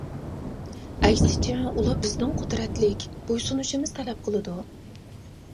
ئەكسىچە، ئۇلار بىزدىن قۇدرەتلىك، بويسۇنۇشىمىز تەلەپ قىلىدۇ.